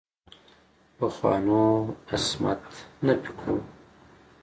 پخوانو عصمت نفي کړو.